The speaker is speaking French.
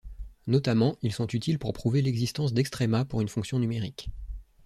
Notamment, ils sont utiles pour prouver l'existence d'extrema pour une fonction numérique.